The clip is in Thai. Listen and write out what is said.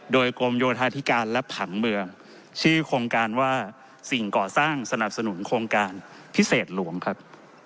โดยกรมโยธาธิการและผังเมืองชื่อโครงการว่าสิ่งก่อสร้างสนับสนุนโครงการพิเศษหลวงครับ